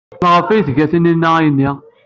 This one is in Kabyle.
Maɣef ay tga Taninna ayenni?